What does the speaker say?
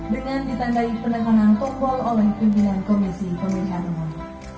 dengan ditandai perlengkapan toko oleh pimpinan komisi pemilihan umum